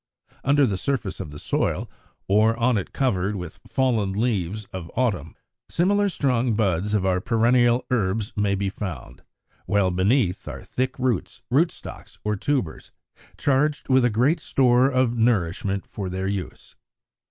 Under the surface of the soil, or on it covered with the fallen leaves of autumn, similar strong buds of our perennial herbs may be found; while beneath are thick roots, rootstocks, or tubers, charged with a great store of nourishment for their use.